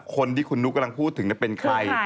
คนที่คุณนุ๊กกำลังพูดถึงเป็นใคร